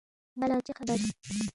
ن٘ا لہ چِہ خبر؟